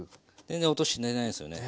全然音してないですよね。